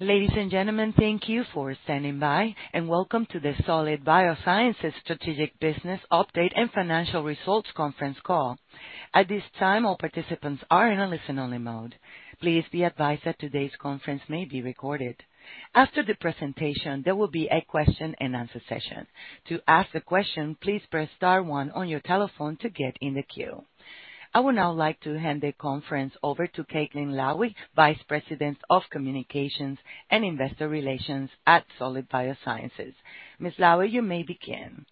Ladies and gentlemen, thank you for standing by, and welcome to the Solid Biosciences Strategic Business Update and Financial Results conference call. At this time, all participants are in a listen-only mode. Please be advised that today's conference may be recorded. After the presentation, there will be a question-and-answer session. To ask a question, please press star one on your telephone to get in the queue. I would now like to hand the conference over to Caitlin Lowie, Vice President of Communications and Investor Relations at Solid Biosciences. Ms. Lowie, you may begin.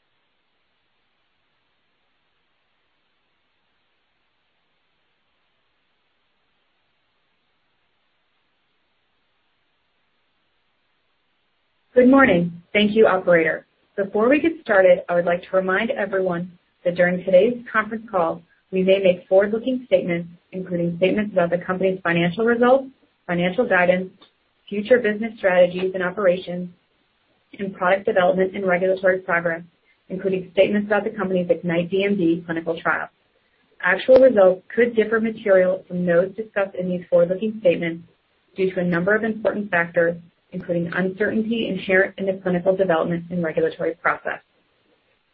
Good morning. Thank you, operator. Before we get started, I would like to remind everyone that during today's conference call, we may make forward-looking statements, including statements about the company's financial results, financial guidance, future business strategies and operations, and product development and regulatory progress, including statements about the company's IGNITE DMD clinical trial. Actual results could differ materially from those discussed in these forward-looking statements due to a number of important factors, including uncertainty inherent in the clinical development and regulatory process,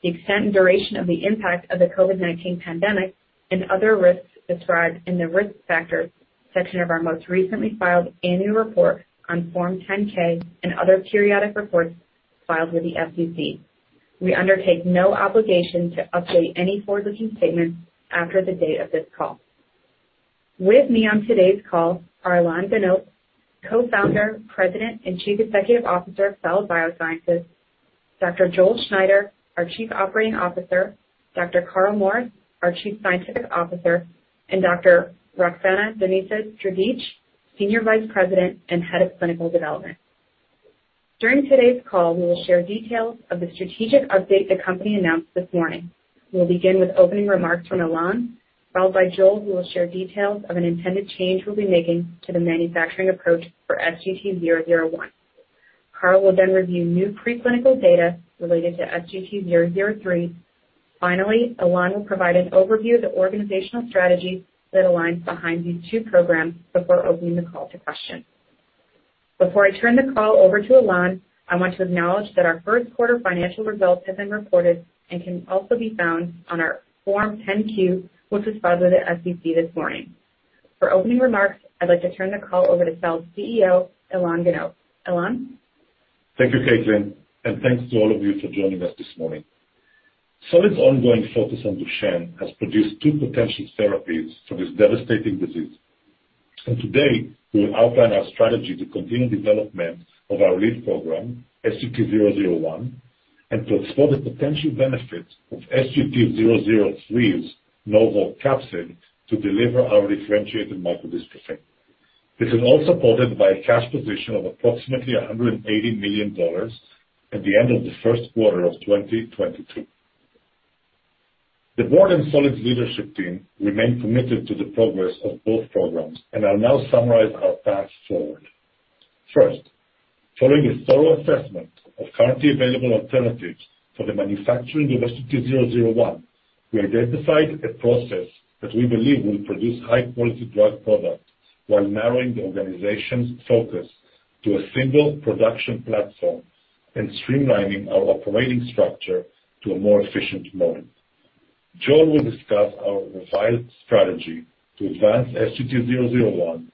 the extent and duration of the impact of the COVID-19 pandemic and other risks described in the Risk Factors section of our most recently filed annual report on Form 10-K and other periodic reports filed with the SEC. We undertake no obligation to update any forward-looking statements after the date of this call. With me on today's call are Ilan Ganot, Co-founder, President, and Chief Executive Officer of Solid Biosciences, Dr. Joel Schneider, our Chief Operating Officer, Dr. Carl Morris, our Chief Scientific Officer, and Dr. Roxana Donisa Dreghici, Senior Vice President and Head of Clinical Development. During today's call, we will share details of the strategic update the company announced this morning. We'll begin with opening remarks from Ilan, followed by Joel, who will share details of an intended change we'll be making to the manufacturing approach for SGT-001. Carl will then review new pre-clinical data related to SGT-003. Finally, Ilan will provide an overview of the organizational strategy that aligns behind these two programs before opening the call to questions. Before I turn the call over to Ilan, I want to acknowledge that our first quarter financial results have been reported and can also be found on our Form 10-Q, which was filed with the SEC this morning. For opening remarks, I'd like to turn the call over to Solid Biosciences' CEO, Ilan Ganot. Ilan? Thank you, Caitlin, and thanks to all of you for joining us this morning. Solid's ongoing focus on Duchenne has produced two potential therapies for this devastating disease. Today, we will outline our strategy to continue development of our lead program, SGT-001, and to explore the potential benefits of SGT-003's novel capsid to deliver our differentiated microdystrophin. This is all supported by a cash position of approximately $180 million at the end of the first quarter of 2022. The board and Solid's leadership team remain committed to the progress of both programs and I'll now summarize our path forward. First, following a thorough assessment of currently available alternatives for the manufacturing of SGT-001, we identified a process that we believe will produce high-quality drug products while narrowing the organization's focus to a single production platform and streamlining our operating structure to a more efficient model. Joel will discuss our revised strategy to advance SGT-001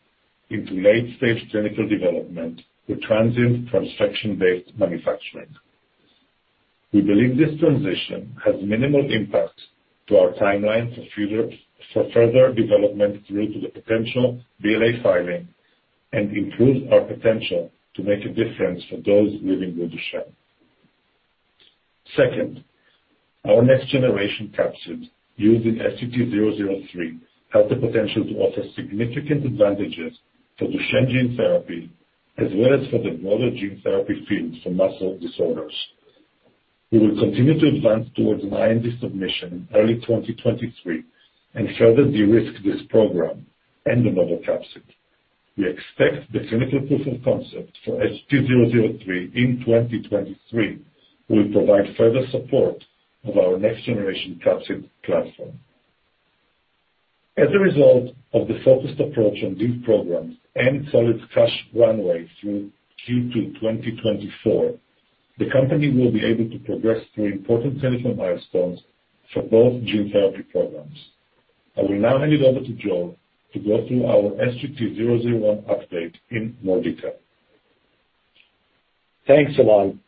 into late-stage clinical development through transient transfection-based manufacturing. We believe this transition has minimal impact to our timeline for further development through to the potential BLA filing and improves our potential to make a difference for those living with Duchenne. Second, our next generation capsid used in SGT-003 has the potential to offer significant advantages for Duchenne gene therapy as well as for the broader gene therapy field for muscle disorders. We will continue to advance towards IND submission in early 2023 and further de-risk this program and the novel capsid. We expect the clinical proof of concept for SGT-003 in 2023 will provide further support of our next-generation capsid platform. As a result of the focused approach on these programs and Solid's cash runway through Q2 2024, the company will be able to progress through important clinical milestones for both gene therapy programs. I will now hand it over to Joel to go through our SGT-001 update in more detail. Thanks, Ilan.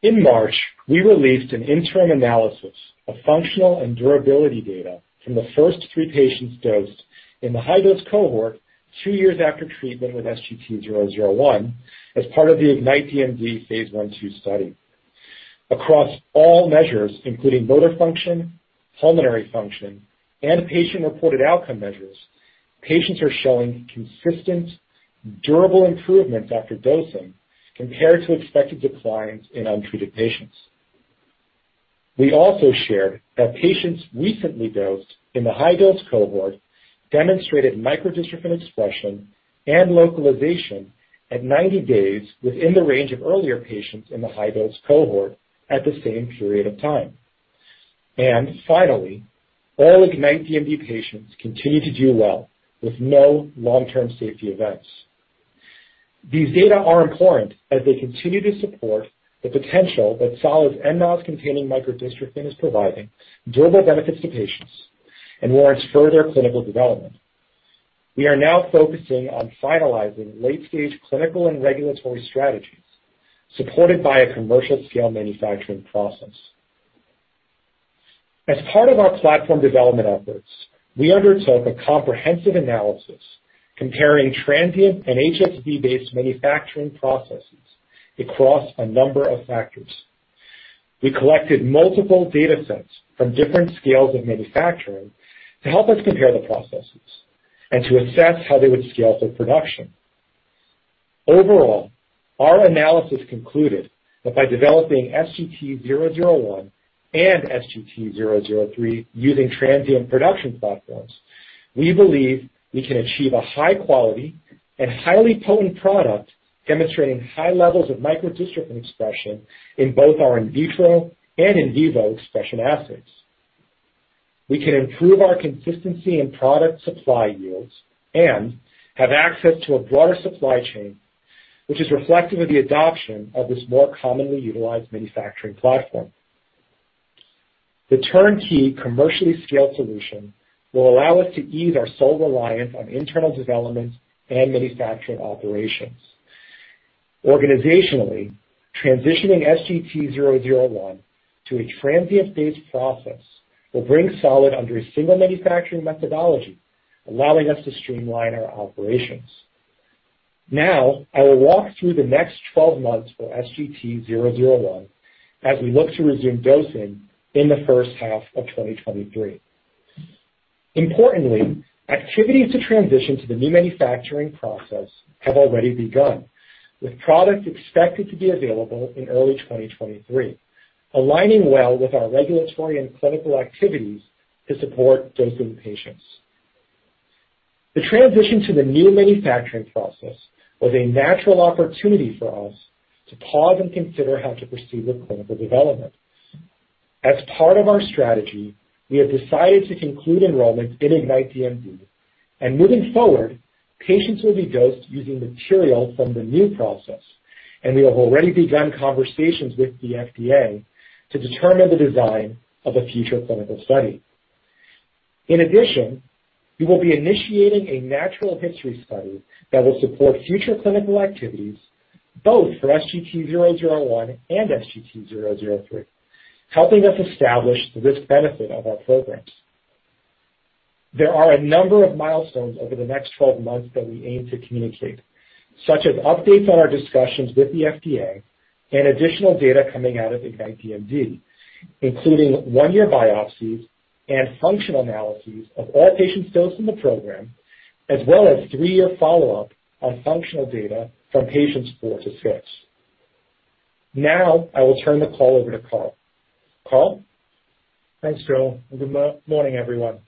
In March, we released an interim analysis of functional and durability data from the first three patients dosed in the high-dose cohort two years after treatment with SGT-001 as part of the IGNITE DMD Phase I/II study. Across all measures, including motor function, pulmonary function, and patient-reported outcome measures, patients are showing consistent, durable improvements after dosing compared to expected declines in untreated patients. We also shared that patients recently dosed in the high-dose cohort demonstrated microdystrophin expression and localization at 90 days within the range of earlier patients in the high-dose cohort at the same period of time. Finally, all IGNITE DMD patients continue to do well with no long-term safety events. These data are important as they continue to support the potential that Solid's nNOS-containing microdystrophin is providing durable benefits to patients and warrants further clinical development. We are now focusing on finalizing late-stage clinical and regulatory strategies supported by a commercial-scale manufacturing process. As part of our platform development efforts, we undertook a comprehensive analysis comparing transient and HSV-based manufacturing processes across a number of factors. We collected multiple data sets from different scales of manufacturing to help us compare the processes and to assess how they would scale for production. Overall, our analysis concluded that by developing SGT-001 and SGT-003 using transient production platforms, we believe we can achieve a high quality and highly potent product, demonstrating high levels of microdystrophin expression in both our in vitro and in vivo expression assays. We can improve our consistency in product supply yields and have access to a broader supply chain, which is reflective of the adoption of this more commonly utilized manufacturing platform. The turnkey commercially scaled solution will allow us to ease our sole reliance on internal development and manufacturing operations. Organizationally, transitioning SGT-001 to a transient-based process will bring Solid under a single manufacturing methodology, allowing us to streamline our operations. Now I will walk through the next 12 months for SGT-001 as we look to resume dosing in the first half of 2023. Importantly, activities to transition to the new manufacturing process have already begun, with product expected to be available in early 2023, aligning well with our regulatory and clinical activities to support dosing patients. The transition to the new manufacturing process was a natural opportunity for us to pause and consider how to proceed with clinical development. As part of our strategy, we have decided to conclude enrollment in IGNITE DMD, and moving forward, patients will be dosed using material from the new process, and we have already begun conversations with the FDA to determine the design of a future clinical study. In addition, we will be initiating a natural history study that will support future clinical activities both for SGT-001 and SGT-003, helping us establish the risk benefit of our programs. There are a number of milestones over the next 12 months that we aim to communicate, such as updates on our discussions with the FDA and additional data coming out of IGNITE DMD, including 1one-year biopsies and functional analyses of all patients dosed in the program, as well as three-year follow-up on functional data from patients four to six. Now I will turn the call over to Carl. Carl? Thanks, Joel, and good morning everyone.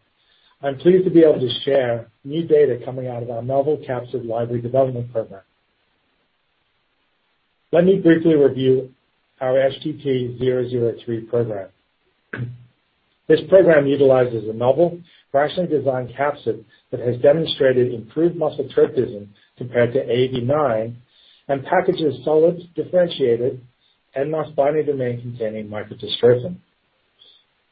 I'm pleased to be able to share new data coming out of our novel capsid library development program. Let me briefly review our SGT-003 program. This program utilizes a novel rationally designed capsid that has demonstrated improved muscle tropism compared to AAV9 and packages Solid's differentiated nNOS binding domain-containing microdystrophin.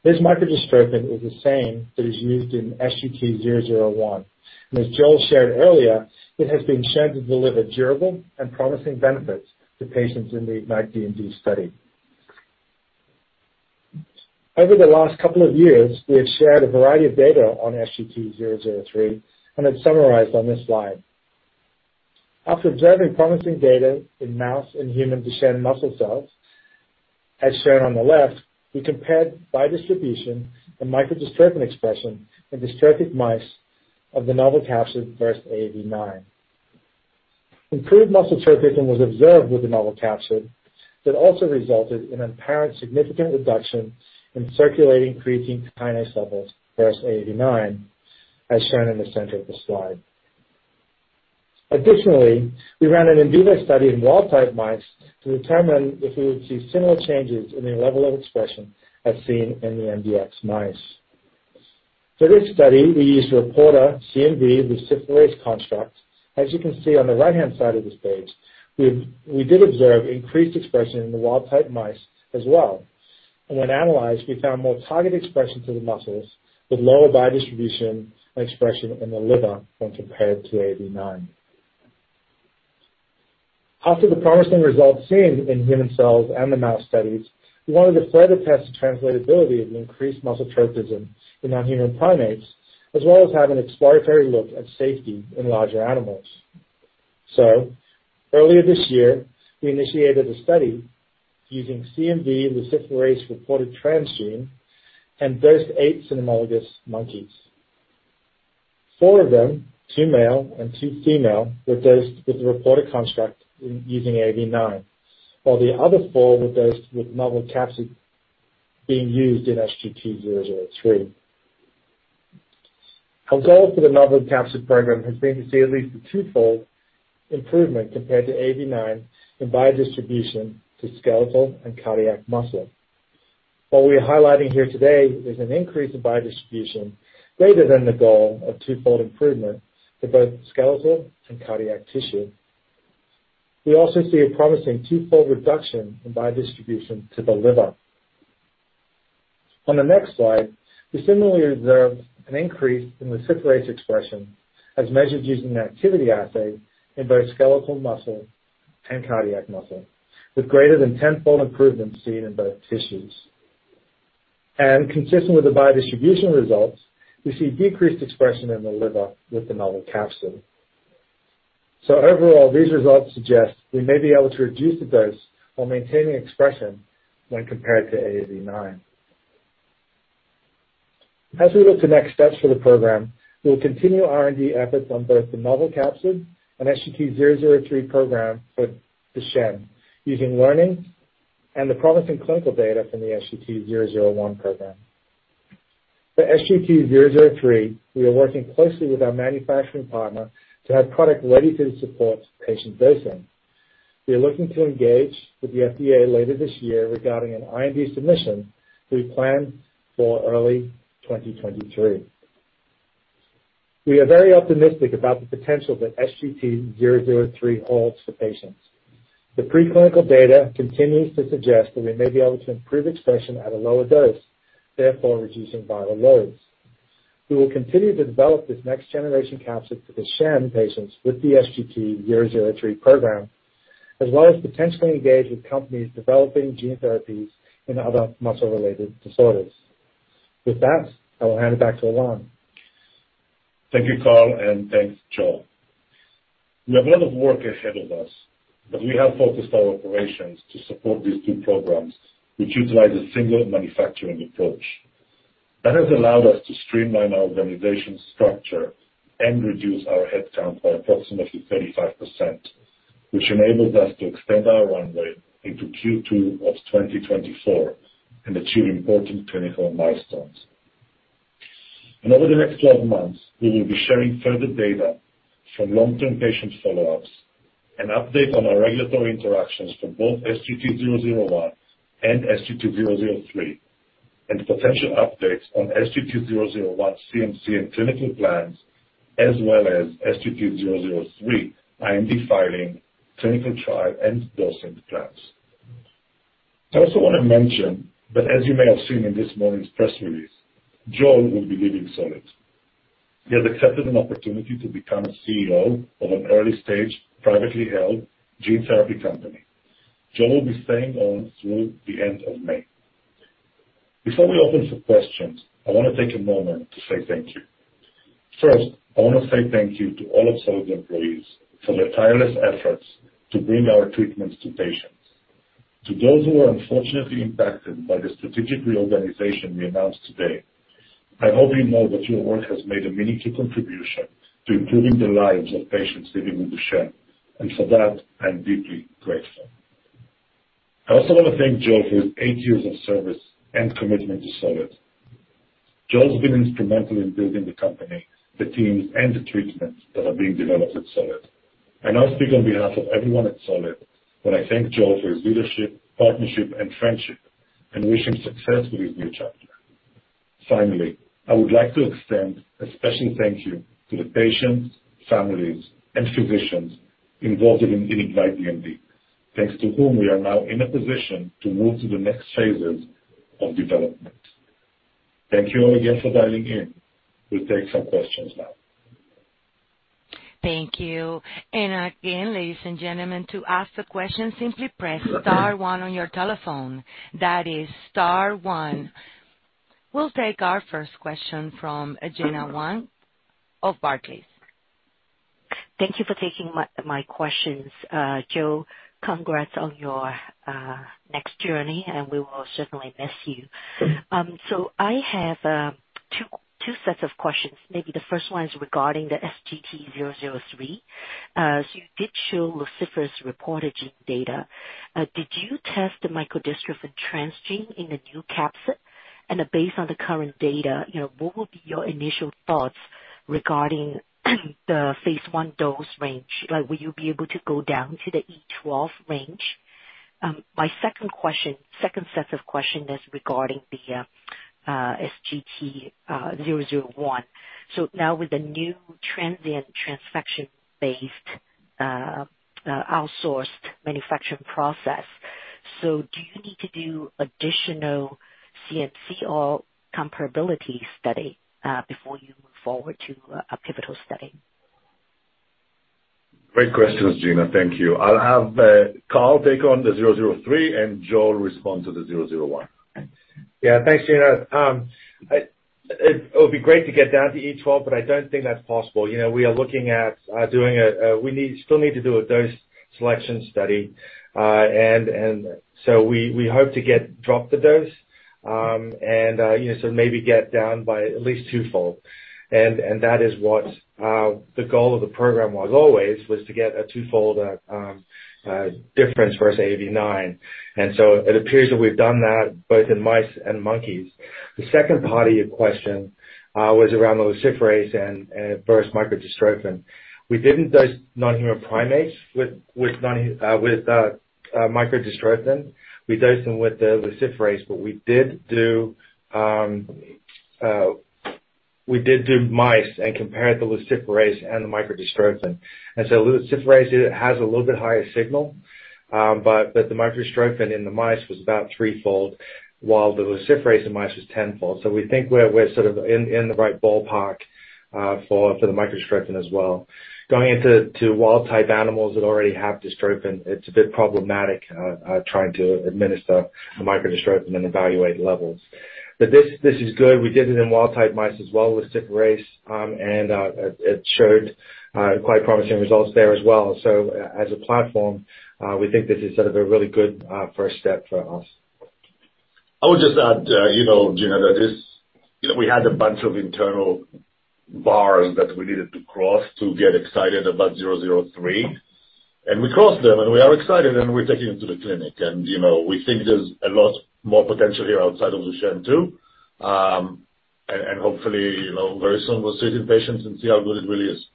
This microdystrophin is the same that is used in SGT-001, and as Joel shared earlier, it has been shown to deliver durable and promising benefits to patients in the IGNITE DMD study. Over the last couple of years, we have shared a variety of data on SGT-003 and it's summarized on this slide. After observing promising data in mouse and human-derived muscle cells, as shown on the left, we compared biodistribution the microdystrophin expression in dystrophic mice of the novel capsid versus AAV9. Improved muscle tropism was observed with the novel capsid that also resulted in an apparent significant reduction in circulating creatine kinase levels versus AAV9, as shown in the center of the slide. Additionally, we ran an in vivo study in wild type mice to determine if we would see similar changes in the level of expression as seen in the MDX mice. For this study, we used reporter CMV luciferase construct. As you can see on the right-hand side of this page, we did observe increased expression in the wild type mice as well. When analyzed, we found more targeted expression to the muscles with lower biodistribution expression in the liver when compared to AAV9. After the promising results seen in human cells and the mouse studies, we wanted to further test the translatability of the increased muscle tropism in non-human primates, as well as have an exploratory look at safety in larger animals. Earlier this year, we initiated a study using CMV luciferase reporter transgene and dosed eight cynomolgus monkeys. Four of them, two male and two female, were dosed with the reporter construct using AAV9, while the other four were dosed with novel capsid being used in SGT-003. Our goal for the novel capsid program has been to see at least a twofold improvement compared to AAV9 in biodistribution to skeletal and cardiac muscle. What we are highlighting here today is an increase in biodistribution greater than the goal of twofold improvement to both skeletal and cardiac tissue. We also see a promising twofold reduction in biodistribution to the liver. On the next slide, we similarly observed an increase in luciferase expression as measured using an activity assay in both skeletal muscle and cardiac muscle, with greater than 10-fold improvement seen in both tissues. Consistent with the biodistribution results, we see decreased expression in the liver with the novel capsid. Overall, these results suggest we may be able to reduce the dose while maintaining expression when compared to AAV9. As we look to next steps for the program, we'll continue R&D efforts on both the novel capsid and SGT-003 program for Duchenne using learning and the promising clinical data from the SGT-001 program. For SGT-003, we are working closely with our manufacturing partner to have product ready to support patient dosing. We are looking to engage with the FDA later this year regarding an IND submission we plan for early 2023. We are very optimistic about the potential that SGT-003 holds for patients. The preclinical data continues to suggest that we may be able to improve expression at a lower dose, therefore reducing viral loads. We will continue to develop this next generation capsid for Duchenne patients with the SGT-003 program, as well as potentially engage with companies developing gene therapies in other muscle-related disorders. With that, I will hand it back to Ilan. Thank you, Carl, and thanks, Joel. We have a lot of work ahead of us, but we have focused our operations to support these two programs, which utilize a single manufacturing approach. That has allowed us to streamline our organization structure and reduce our headcount by approximately 35%, which enables us to extend our runway into Q2 of 2024 and achieve important clinical milestones. Over the next 12 months, we will be sharing further data from long-term patient follow-ups, an update on our regulatory interactions for both SGT-001 and SGT-003, and potential updates on SGT-001 CMC and clinical plans as well as SGT-003 IND filing, clinical trial, and dosing plans. I also want to mention that, as you may have seen in this morning's press release, Joel will be leaving Solid. He has accepted an opportunity to become CEO of an early-stage, privately held gene therapy company. Joel will be staying on through the end of May. Before we open for questions, I wanna take a moment to say thank you. First, I wanna say thank you to all of Solid employees for their tireless efforts to bring our treatments to patients. To those who are unfortunately impacted by the strategic reorganization we announced today, I hope you know that your work has made a meaningful contribution to improving the lives of patients living with Duchenne. For that, I am deeply grateful. I also wanna thank Joel for his eight years of service and commitment to Solid. Joel's been instrumental in building the company, the teams, and the treatments that are being developed at Solid. I now speak on behalf of everyone at Solid when I thank Joel for his leadership, partnership, and friendship and wish him success with his new chapter. Finally, I would like to extend a special thank you to the patients, families, and physicians involved in IGNITE DMD, thanks to whom we are now in a position to move to the next phases of development. Thank you all again for dialing in. We'll take some questions now. Thank you. Again, ladies and gentlemen, to ask the question, simply press star one on your telephone. That is star one. We'll take our first question from Gena Wang of Barclays. Thank you for taking my questions. Joel, congrats on your next journey, and we will certainly miss you. I have two sets of questions. Maybe the first one is regarding the SGT-003. You did show luciferase reporter gene data. Did you test the microdystrophin transgene in the new capsid? Based on the current data, you know, what would be your initial thoughts regarding the phase I dose range? Like, will you be able to go down to the E12 range? My second set of questions is regarding the SGT-001. Now with the new transient transfection-based outsourced manufacturing process, do you need to do additional CMC or comparability study before you move forward to a pivotal study? Great questions, Gena. Thank you. I'll have Carl take on the 003 and Joel respond to the 001. Yeah. Thanks, Gena. It would be great to get down to E12, but I don't think that's possible. You know, we are looking at doing a dose selection study. We still need to do a dose selection study, and so we hope to drop the dose, and you know, so maybe get down by at least twofold. That is what the goal of the program was always to get a twofold difference versus AAV9. It appears that we've done that both in mice and monkeys. The second part of your question was around the luciferase and versus microdystrophin. We didn't dose non-human primates with microdystrophin. We dosed them with the luciferase, but we did do. We did dose mice and compared the luciferase and the microdystrophin. Luciferase has a little bit higher signal, but the microdystrophin in the mice was about threefold while the luciferase in mice is tenfold. We think we're sort of in the right ballpark for the microdystrophin as well. Going into wild type animals that already have dystrophin, it's a bit problematic trying to administer the microdystrophin and evaluate levels. This is good. We did it in wild type mice as well, luciferase, and it showed quite promising results there as well. As a platform, we think this is sort of a really good first step for us. I would just add, you know, Gena, that this, you know, we had a bunch of internal bars that we needed to cross to get excited about 003, and we crossed them, and we are excited, and we're taking them to the clinic. You know, we think there's a lot more potential here outside of Duchenne too. Hopefully, you know, very soon we'll see these patients and see how good it really is.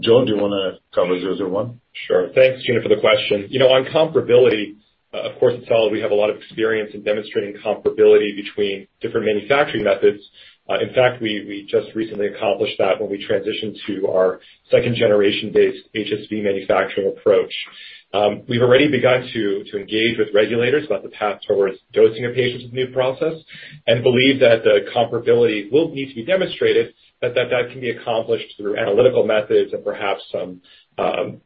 Joe, do you wanna cover 001? Sure. Thanks, Gena, for the question. You know, on comparability, of course, at Solid, we have a lot of experience in demonstrating comparability between different manufacturing methods. In fact, we just recently accomplished that when we transitioned to our second generation-based HSV manufacturing approach. We've already begun to engage with regulators about the path towards dosing our patients with new process, and believe that the comparability will need to be demonstrated, but that can be accomplished through analytical methods and perhaps some,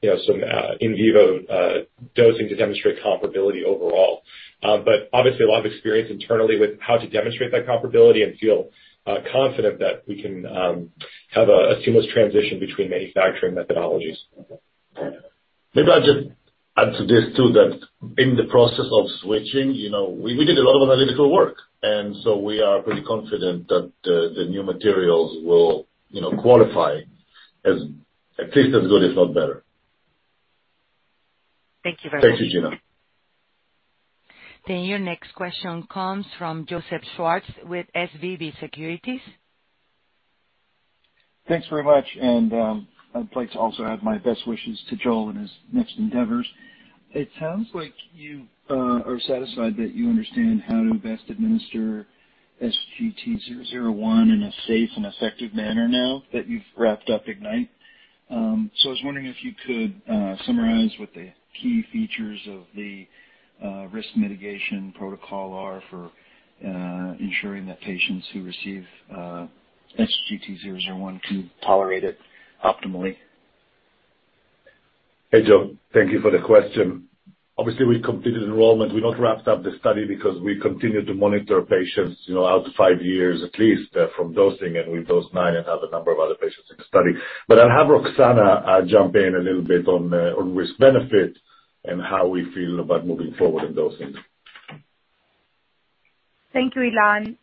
you know, some in vivo dosing to demonstrate comparability overall. Obviously a lot of experience internally with how to demonstrate that comparability and feel confident that we can have a seamless transition between manufacturing methodologies. Maybe I'll just add to this too, that in the process of switching, you know, we did a lot of analytical work, and so we are pretty confident that the new materials will, you know, qualify as at least as good, if not better. Thank you very much. Thank you, Gena. Your next question comes from Joseph Schwartz with SVB Securities. Thanks very much. I'd like to also add my best wishes to Joel in his next endeavors. It sounds like you are satisfied that you understand how to best administer SGT-001 in a safe and effective manner now that you've wrapped up IGNITE. I was wondering if you could summarize what the key features of the risk mitigation protocol are for ensuring that patients who receive SGT-001 can tolerate it optimally. Hey, Joe. Thank you for the question. Obviously, we completed enrollment. We haven't wrapped up the study because we continue to monitor patients, you know, out to five years at least, from dosing, and we've dosed nine and have a number of other patients in the study. I'll have Roxana jump in a little bit on risk benefit and how we feel about moving forward in dosing. Thank you, Ilan.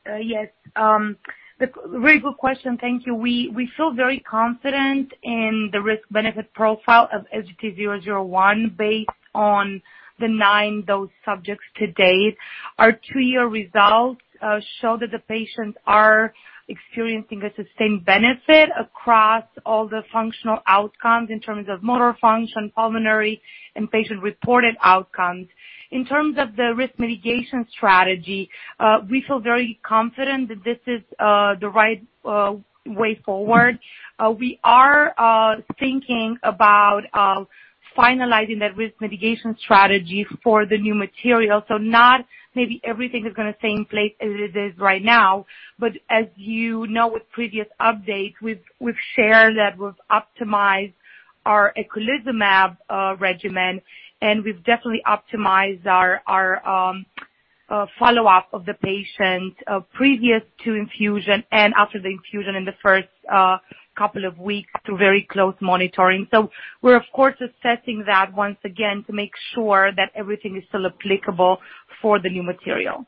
Really good question. Thank you. We feel very confident in the risk-benefit profile of SGT-001 based on the nine dosed subjects to date. Our two-year results show that the patients are experiencing a sustained benefit across all the functional outcomes in terms of motor function, pulmonary and patient-reported outcomes. In terms of the risk mitigation strategy, we feel very confident that this is the right way forward. We are thinking about finalizing that risk mitigation strategy for the new material. Not maybe everything is gonna stay in place as it is right now, but as you know with previous updates, we've shared that we've optimized our eculizumab regimen, and we've definitely optimized our follow-up of the patient previous to infusion and after the infusion in the first couple of weeks through very close monitoring. We're of course assessing that once again to make sure that everything is still applicable for the new material.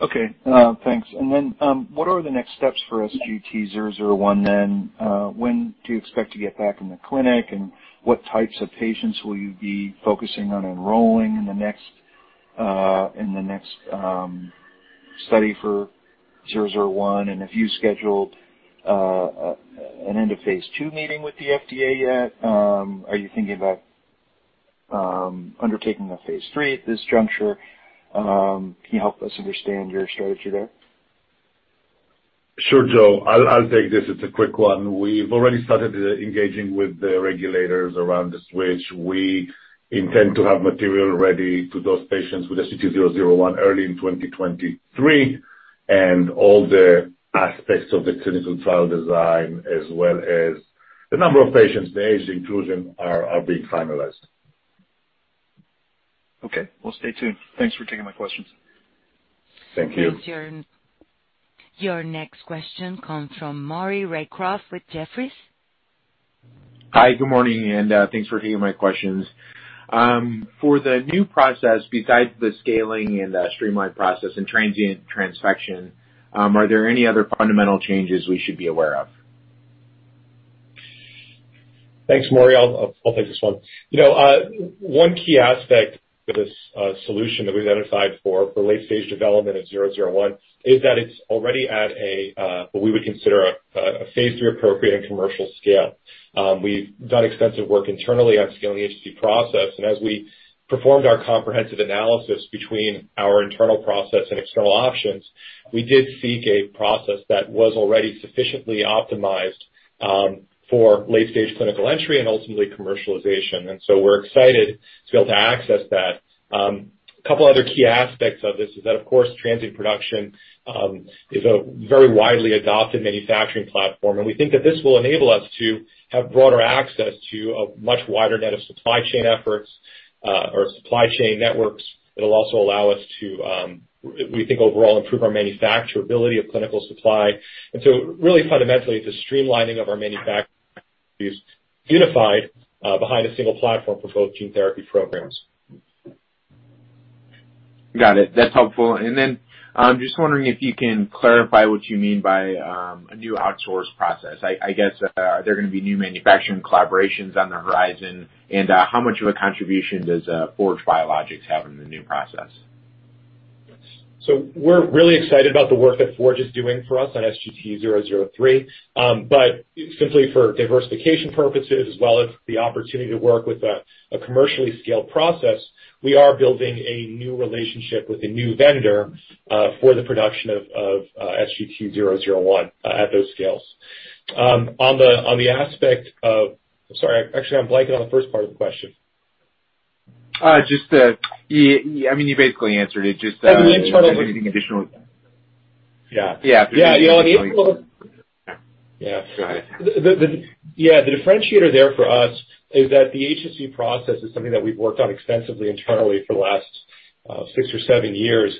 Okay. Thanks. What are the next steps for SGT-001 then? When do you expect to get back in the clinic, and what types of patients will you be focusing on enrolling in the next study for SGT-001? Have you scheduled an end-of-phase II meeting with the FDA yet? Are you thinking about undertaking a phase III at this juncture? Can you help us understand your strategy there? Sure, Joe. I'll take this. It's a quick one. We've already started engaging with the regulators around the switch. We intend to have material ready to dose patients with SGT-001 early in 2023, and all the aspects of the clinical trial design as well as the number of patients, the age inclusion are being finalized. Okay. We'll stay tuned. Thanks for taking my questions. Thank you. Your next question comes from Maury Raycroft with Jefferies. Hi. Good morning, and thanks for taking my questions. For the new process, besides the scaling and the streamlined process and transient transfection, are there any other fundamental changes we should be aware of? Thanks, Maury. I'll take this one. You know, one key aspect for this solution that we've identified for late-stage development of SGT-001 is that it's already at what we would consider a phase III appropriate and commercial scale. We've done extensive work internally on scaling the HSV process, and as we performed our comprehensive analysis between our internal process and external options, we did seek a process that was already sufficiently optimized for late-stage clinical entry and ultimately commercialization. We're excited to be able to access that. A couple other key aspects of this is that, of course, transient production is a very widely adopted manufacturing platform, and we think that this will enable us to have broader access to a much wider net of supply chain efforts, or supply chain networks. It'll also allow us to, we think overall improve our manufacturability of clinical supply. Really fundamentally it's a streamlining of our manufacturing unified behind a single platform for both gene therapy programs. Got it. That's helpful. Just wondering if you can clarify what you mean by a new outsourced process. I guess, are there gonna be new manufacturing collaborations on the horizon? How much of a contribution does Forge Biologics have in the new process? We're really excited about the work that Forge is doing for us on SGT-003. Simply for diversification purposes as well as the opportunity to work with a commercially scaled process, we are building a new relationship with a new vendor for the production of SGT-001 at those scales. On the aspect of, sorry, actually I'm blanking on the first part of the question. I mean, you basically answered it just. The internal- Anything additional. Yeah. Yeah. Yeah. You know- Yeah. Go ahead. The differentiator there for us is that the HSV process is something that we've worked on extensively internally for the last six or seven years.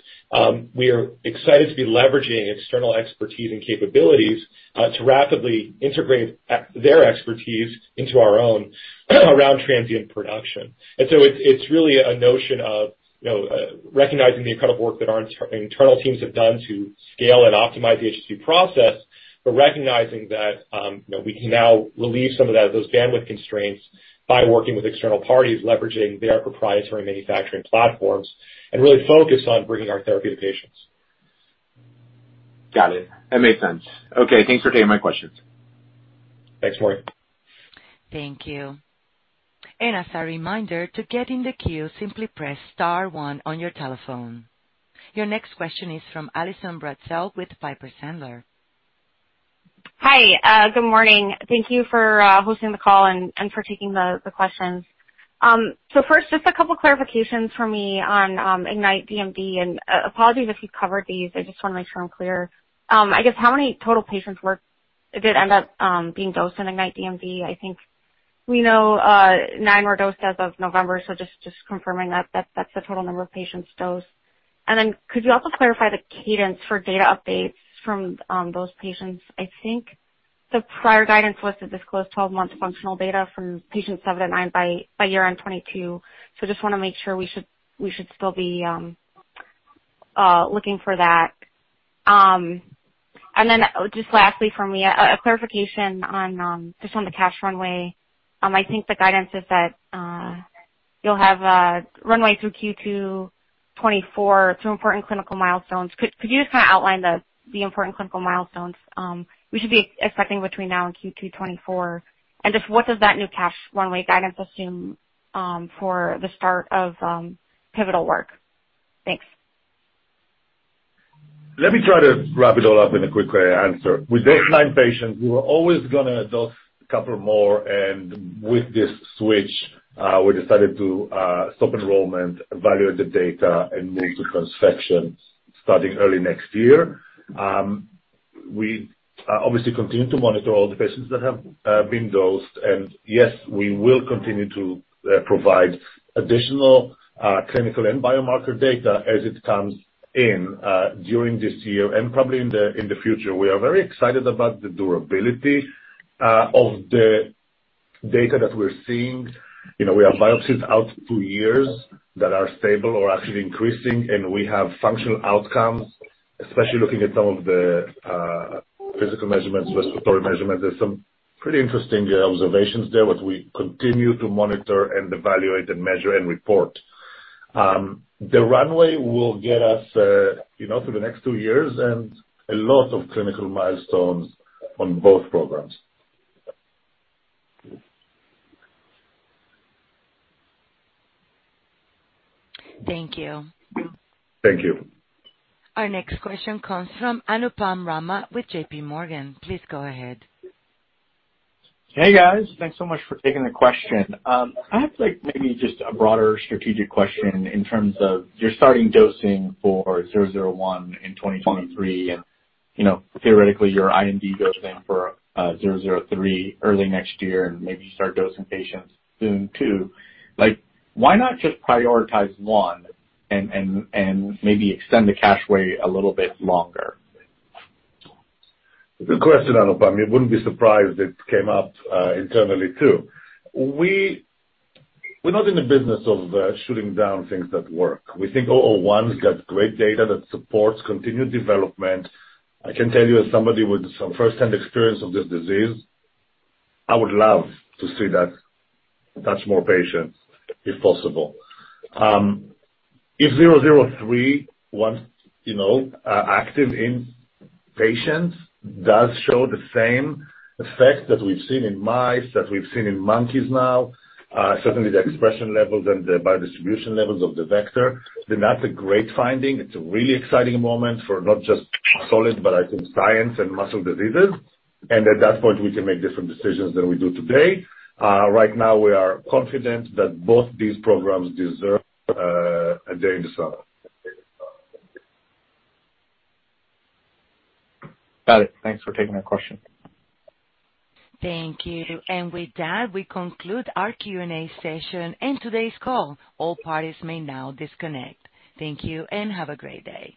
We are excited to be leveraging external expertise and capabilities to rapidly integrate their expertise into our own around transient production. It's really a notion of, you know, recognizing the incredible work that our internal teams have done to scale and optimize the HSV process, but recognizing that, you know, we can now relieve some of that, those bandwidth constraints by working with external parties, leveraging their proprietary manufacturing platforms, and really focus on bringing our therapy to patients. Got it. That makes sense. Okay, thanks for taking my questions. Thanks, Maury. Thank you. As a reminder, to get in the queue, simply press star one on your telephone. Your next question is from Allison Bratzel with Piper Sandler. Hi. Good morning. Thank you for hosting the call and for taking the questions. First, just a couple clarifications for me on IGNITE DMD, and apologies if you covered these. I just want to make sure I'm clear. I guess how many total patients did end up being dosed in IGNITE DMD? I think we know nine were dosed as of November, so just confirming that that's the total number of patients dosed. Then could you also clarify the cadence for data updates from those patients? I think the prior guidance was to disclose 12-month functional data from patients seven to nine by year-end 2022. Just want to make sure we should still be looking for that. Just lastly for me, a clarification on just on the cash runway. I think the guidance is that you'll have a runway through Q2 2024 through important clinical milestones. Could you just kinda outline the important clinical milestones we should be expecting between now and Q2 2024? Just what does that new cash runway guidance assume for the start of pivotal work? Thanks. Let me try to wrap it all up in a quick answer. With those nine patients we were always gonna dose a couple more, and with this switch, we decided to stop enrollment, evaluate the data, and move to transfection starting early next year. We obviously continue to monitor all the patients that have been dosed. Yes, we will continue to provide additional clinical and biomarker data as it comes in during this year and probably in the future. We are very excited about the durability of the data that we're seeing. You know, we have biopsies out two years that are stable or actually increasing, and we have functional outcomes, especially looking at some of the physical measurements, respiratory measurements. There's some pretty interesting observations there, which we continue to monitor and evaluate and measure and report. The runway will get us, you know, through the next two years and a lot of clinical milestones on both programs. Thank you. Thank you. Our next question comes from Anupam Rama with JPMorgan. Please go ahead. Hey, guys. Thanks so much for taking the question. I have like maybe just a broader strategic question in terms of you're starting dosing for 001 in 2023 and, you know, theoretically your IND goes in for 003 early next year and maybe start dosing patients soon too. Like, why not just prioritize one and maybe extend the cash runway a little bit longer? Good question, Anupam. You wouldn't be surprised it came up internally too. We're not in the business of shooting down things that work. We think 001's got great data that supports continued development. I can tell you as somebody with some first-hand experience of this disease, I would love to see that touch more patients if possible. If 003, once active in patients, does show the same effect that we've seen in mice, that we've seen in monkeys now, certainly the expression levels and the biodistribution levels of the vector, then that's a great finding. It's a really exciting moment for not just Solid, but I think science and muscle diseases. At that point, we can make different decisions than we do today. Right now, we are confident that both these programs deserve a day in the sun. Got it. Thanks for taking my question. Thank you. With that, we conclude our Q&A session and today's call. All parties may now disconnect. Thank you and have a great day.